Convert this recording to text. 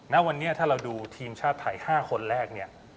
ณวันนี้ถ้าเราดูทีมชาติไทย๕คนแรกเนี่ย